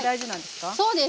そうです。